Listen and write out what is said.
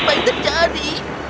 oh apa yang terjadi